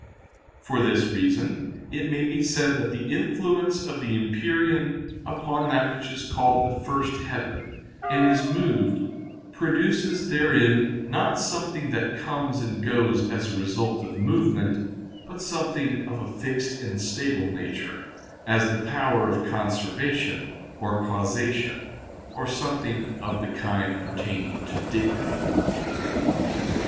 For this reason it may be said that the influence of the empyrean upon that which is called the first heaven, and is moved, produces therein not something that comes and goes as a result of movement, but something of a fixed and stable nature, as the power of conservation or causation, or something of the kind pertaining to dignity.